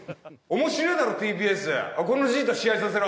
面白えだろＴＢＳこのジジイと試合させろ